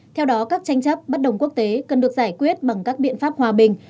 theo đó các tranh chấp bất đồng quốc tế cần được giải quyết bằng các biện pháp hòa bình